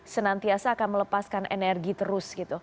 senantiasa akan melepaskan energi terus gitu